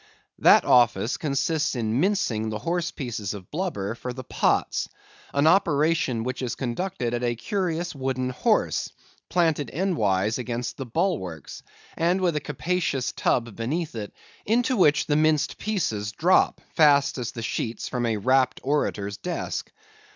That office consists in mincing the horse pieces of blubber for the pots; an operation which is conducted at a curious wooden horse, planted endwise against the bulwarks, and with a capacious tub beneath it, into which the minced pieces drop, fast as the sheets from a rapt orator's desk.